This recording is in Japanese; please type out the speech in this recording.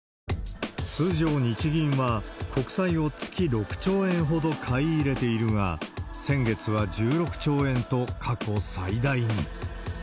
通常日銀は、国際を月６兆円ほど買い入れているが、先月は１６兆円と過去最大に。